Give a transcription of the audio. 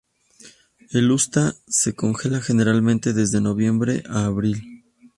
El Usta se congela generalmente desde noviembre a abril.